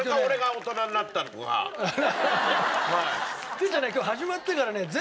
哲ちゃんね今日始まってからねそうね。